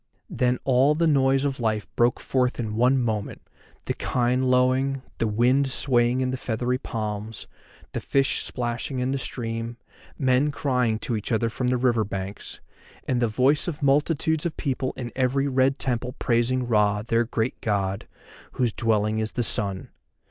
Then all the noise of life broke forth in one moment, the kine lowing, the wind swaying the feathery palms, the fish splashing in the stream, men crying to each other from the river banks, and the voice of multitudes of people in every red temple praising Ra, their great God, whose dwelling is the Sun.